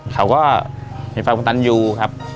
เขาก็เห็นฝั่งคุณตันยูครับ